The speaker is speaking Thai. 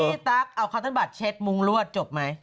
พี่ตั๊กเอาคาทันบัตรเช็ทมุมรวดจบไหม